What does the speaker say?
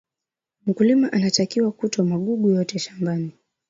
mkulima anatakiwa kuto magugu yote shambani